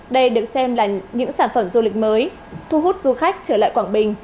đây được xem là những sản phẩm du lịch mới thu hút du khách trở lại quảng bình